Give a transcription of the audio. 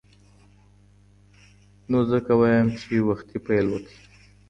نو ځکه وایم چې وختي پیل وکړئ.